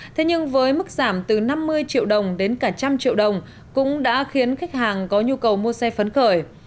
thế nhưng với mức giảm từ năm mươi triệu đồng đến cả trăm triệu đồng cũng đã khiến khách hàng có nhu cầu mua xe phấn khởi